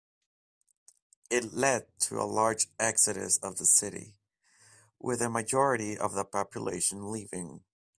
It led to a large exodus of the city, with a majority of the population leaving.